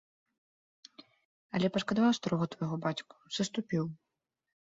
Але пашкадаваў старога твайго бацьку, саступіў.